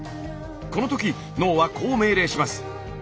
このとき脳はこう命令します。